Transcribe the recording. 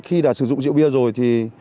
khi đã sử dụng rượu bia rồi thì